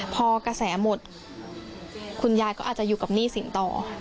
พอกระแสหมดคุณยายก็อาจจะอยู่กับหนี้สินต่อ